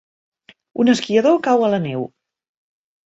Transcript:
Un esquiador cau a la neu.